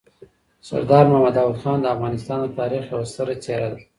سردار محمد داود خان د افغانستان د تاریخ یو ستره څېره ده.